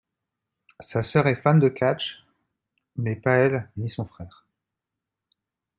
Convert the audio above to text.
Sa sœur est fan de catch mais pas elle ni son frère.